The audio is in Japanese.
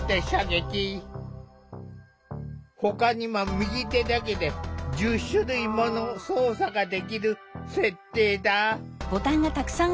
ほかにも右手だけで１０種類もの操作ができる設定だ。